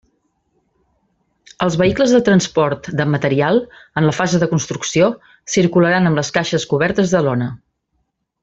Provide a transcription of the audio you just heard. Els vehicles de transport de material, en la fase de construcció, circularan amb les caixes cobertes de lona.